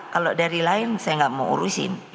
kalau dari lain saya nggak mau urusin